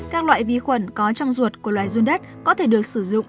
các loại vi khuẩn có trong ruột của loài run đất có thể được sử dụng